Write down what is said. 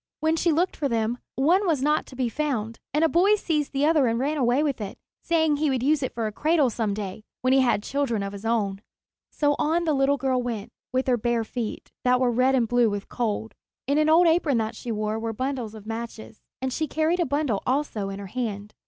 When she looked for them, one was not to be found, and a boy seized the other and ran away with it, saying he would use it for a cradle some day, when he had children of his own. So on the little girl went with her bare feet, that were red and blue with cold. In an old apron that she wore were bundles of matches, and she carried a bundle also in her hand.